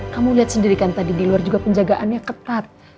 kamu lihat sendiri kan tadi di luar juga penjagaannya ketat